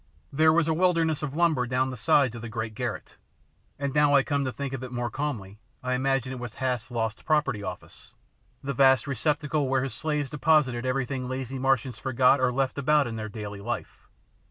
There was a wilderness of lumber down the sides of the great garret, and now I come to think of it more calmly I imagine it was Hath's Lost Property Office, the vast receptacle where his slaves deposited everything lazy Martians forgot or left about in their daily life.